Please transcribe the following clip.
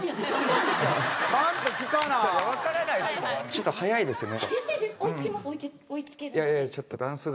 ちょっと速いですね。